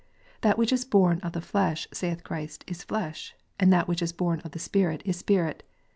That which is born of the flesh, saith Christ, is flesh, and that which is born of the Spirit is spirit.